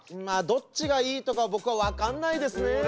まあどっちがいいとか僕は分かんないですね。